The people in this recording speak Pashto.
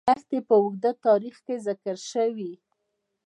دښتې په اوږده تاریخ کې ذکر شوې.